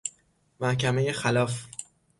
محکمۀ خلاف